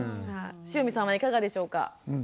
汐見さんはいかがでしょうか？